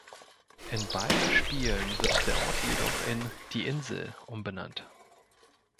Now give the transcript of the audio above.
In beiden Spielen wird der Ort jedoch in „Die Insel“ umbenannt.